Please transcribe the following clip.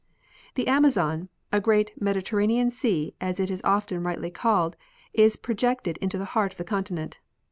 The Amazon, a great mediterranean sea as it is often rightly called, is projected into the heart of the continent.